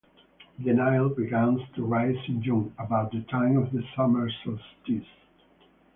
The Nile begins to rise in June, about the time of the summer solstice.